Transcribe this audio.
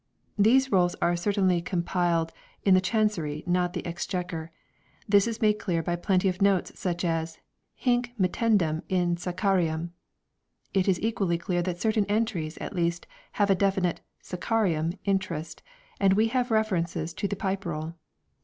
These Rolls are Fine Rolls, certainly compiled in the Chancery, not the Ex chequer; this is made clear by plenty of notes' such as " hinc mittendum in Scaccarium "^ It is equally clear that certain entries, at least, have a definite " Scaccarium " interest and we have references to the Pipe Roll.